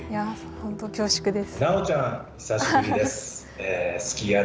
本当恐縮です。